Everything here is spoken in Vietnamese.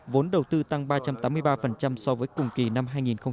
vốn đầu tư tăng ba trăm tám mươi ba so với cùng kỳ năm hai nghìn một mươi chín